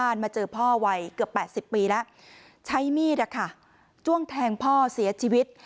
ที่บ้านมาเจอพ่อวัยเกือบ๘๐ปีใช้มีดจ้วงแทงพ่อเสียชีวิต